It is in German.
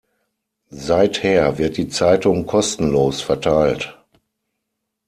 Seither wird die Zeitung kostenlos verteilt.